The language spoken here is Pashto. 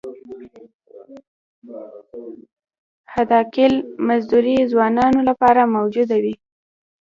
حداقل مزدوري ځوانانو لپاره موجوده وي.